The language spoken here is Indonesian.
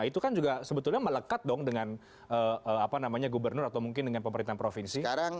itu kan juga sebetulnya melekat dong dengan gubernur atau mungkin dengan pemerintahan provinsi